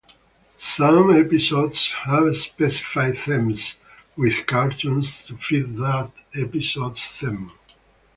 Some episodes have specific themes, with cartoons to fit that episode's theme.